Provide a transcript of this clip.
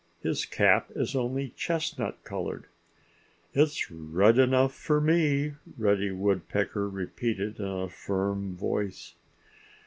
"His cap is only chestnut colored." "It's red enough for me," Reddy Woodpecker repeated in a firm voice.